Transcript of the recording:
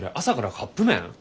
朝からカップ麺？